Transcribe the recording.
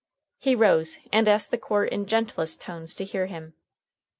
He rose and asked the court in gentlest tones to hear him.